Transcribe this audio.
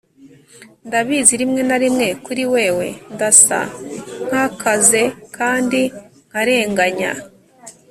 ndabizi rimwe na rimwe kuri wewe ndasa nkakaze kandi nkarenganya,